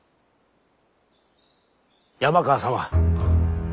山川様